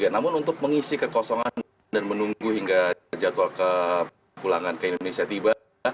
namun untuk mengisi kekosongan dan menunggu hingga jadwal kepulangan ke indonesia tiba